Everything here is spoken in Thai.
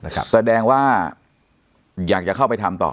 แสดงว่าอยากจะเข้าไปทำต่อ